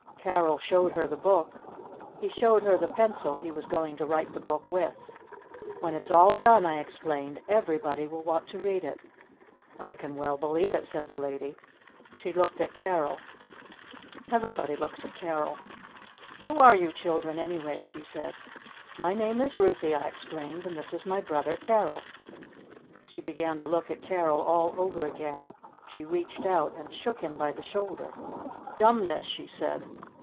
Carol showed her the book. He showed her the pencil he was going to write the book with. "When it's all done," I explained, "everybody will want to read it!" "I can well believe it," said the Lady. She looked at Carol. Everybody looks at Carol. "Who are you children, anyway?" she said. "My name is Ruthy," I explained. "And this is my brother Carol." She began to look at Carol all over again. She reached out and shook him by the shoulder. "Dumbness!" she said.